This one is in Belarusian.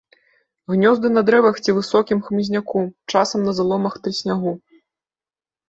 Гнёзды на дрэвах ці высокім хмызняку, часам на заломах трыснягу.